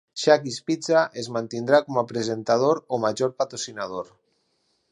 Shakey's Pizza es mantindrà com a presentador o major patrocinador.